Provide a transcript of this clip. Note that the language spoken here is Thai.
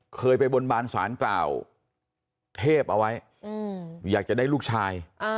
เคยไปบนบานสารกล่าวเทพเอาไว้อยากจะได้ลูกชาย